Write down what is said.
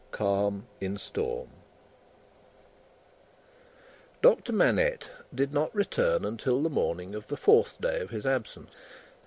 Calm in Storm Doctor Manette did not return until the morning of the fourth day of his absence.